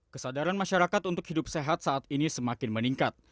kesadaran masyarakat untuk hidup sehat saat ini semakin meningkat